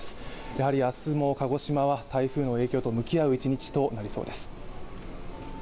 やはり明日も鹿児島は台風の影響と向き合う１日となりそうです。